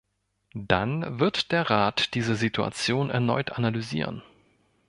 Dann wird der Rat diese Situation erneut analysieren.